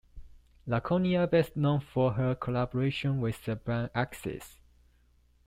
Lakonia, best known for her collaborations with the band Axxis.